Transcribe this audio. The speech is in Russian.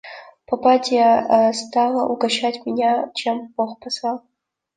Попадья стала угощать меня чем бог послал.